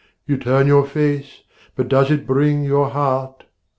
You turn your face, but does it bring your heart?